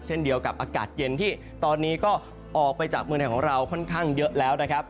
เช่นเดียวกับอากาศเย็นที่ตอนนี้ก็ออกไปจากเมืองไทยของเราค่อนข้างเยอะแล้วนะครับ